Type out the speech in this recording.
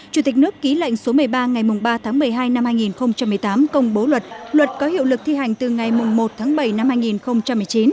chủ tịch nước ký lệnh số một mươi ba ngày ba tháng một mươi hai năm hai nghìn một mươi tám công bố luật luật có hiệu lực thi hành từ ngày một tháng bảy năm hai nghìn một mươi chín